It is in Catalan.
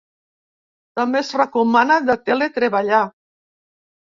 També es recomana de teletreballar.